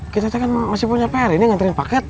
kita kan masih punya peri nih nganterin paket